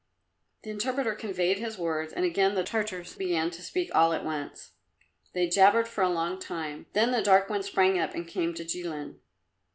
The interpreter conveyed his words, and again the Tartars began to speak all at once. They jabbered for a long time, then the dark one sprang up and came to Jilin.